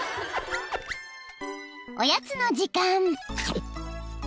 ［おやつの時間］